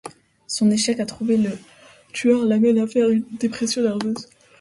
Son échec à trouver le tueur l'amène à faire une dépression nerveuse.